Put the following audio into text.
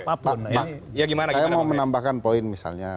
pak saya mau menambahkan poin misalnya